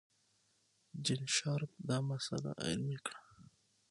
جین شارپ دا مسئله علمي کړه.